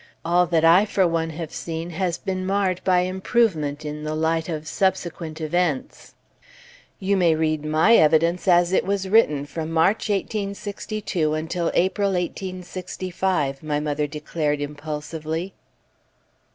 All that I, for one, have seen, has been marred by improvement in the light of subsequent events." "You may read my evidence as it was written from March 1862 until April 1865," my mother declared impulsively.